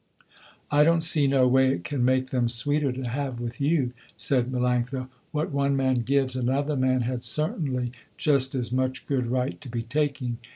"I don't see no way it can make them sweeter to have with you," said Melanctha. "What one man gives, another man had certainly just as much good right to be taking."